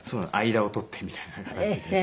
間を取ってみたいな形で。